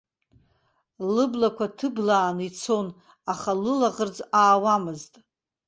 Лыблақәа ҭыблааны ицон, аха лылаӷырӡ аауамызт.